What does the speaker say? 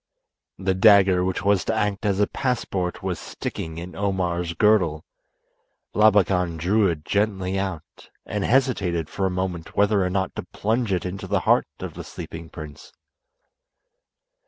The dagger which was to act as a passport was sticking in Omar's girdle. Labakan drew it gently out, and hesitated for a moment whether or not to plunge it into the heart of the sleeping prince.